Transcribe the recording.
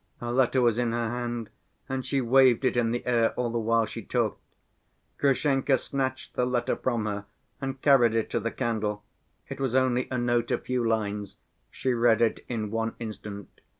A letter was in her hand and she waved it in the air all the while she talked. Grushenka snatched the letter from her and carried it to the candle. It was only a note, a few lines. She read it in one instant.